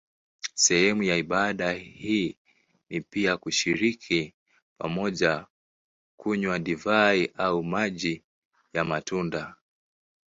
Sehemu ya ibada hii ni pia kushiriki pamoja kunywa divai au maji ya matunda.